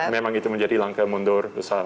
memang itu menjadi langkah mundur